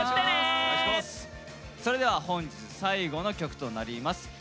それでは本日最後の曲となります。